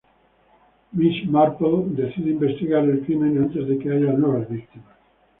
Miss Marple decide investigar el crimen antes de que haya nuevas víctimas.